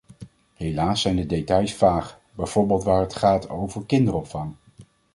Helaas zijn de details vaag, bijvoorbeeld waar het gaat over kinderopvang.